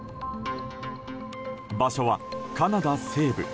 場所はカナダ西部。